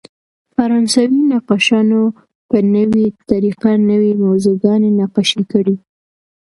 فرانسوي نقاشانو په نوې طریقه نوې موضوعګانې نقاشي کړې.